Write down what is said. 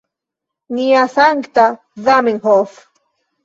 Nia sankta Zamenhof